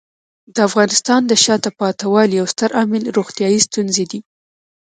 د افغانستان د شاته پاتې والي یو ستر عامل روغتیايي ستونزې دي.